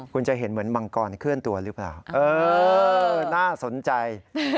คุณจะเห็นเหมือนมังกรเคลื่อนตัวหรือเปล่าเออน่าสนใจ